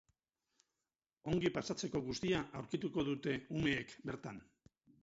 Ongi pasatzeko guztia aurkituko dute umeek bertan.